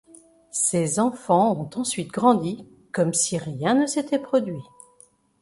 Ces enfants ont ensuite grandi comme si rien ne s’était produit.